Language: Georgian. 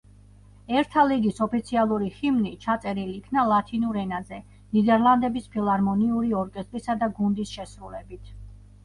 ერთა ლიგის ოფიციალური ჰიმნი ჩაწერილ იქნა ლათინურ ენაზე, ნიდერლანდების ფილარმონიული ორკესტრისა და გუნდის შესრულებით.